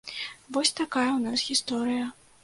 Вось такая ў нас гісторыя.